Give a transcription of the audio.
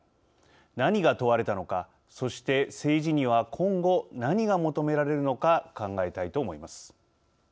何が問われたのかそして、政治には今後、何が求められるのか考えたいと思います。